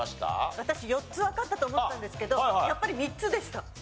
私４つわかったと思ったんですけどやっぱり３つでした。